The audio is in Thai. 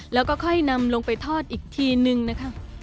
แล้วก็ค่อยนำลงไปทอดอีกทีนึงนะคะ